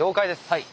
はい。